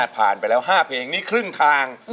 ผ่านไปแล้ว๕เพลงนี้ครึ่งทาง